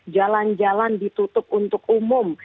jalan jalan ditutup untuk umum